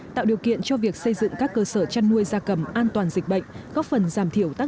tạo điều kiện cho việc xây dựng các cơ sở chăn nuôi da cầm an toàn dịch bệnh góp phần giảm thiểu tác